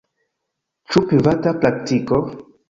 Ĉu privata praktiko?